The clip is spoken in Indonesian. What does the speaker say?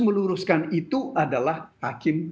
meluruskan itu adalah hakim